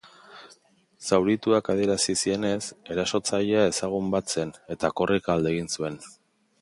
Zaurituak adierazi zienez, erasotzailea ezagun bat zen eta korrika alde egin zuen.